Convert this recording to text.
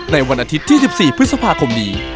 ในวันอาทิตย์ที่๑๔พฤษภาคมนี้